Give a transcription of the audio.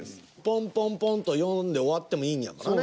ポンポンポンと４で終わってもいいんやからね。